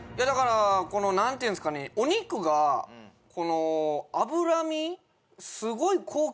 だからこの何ていうんですかねお肉がこの脂身？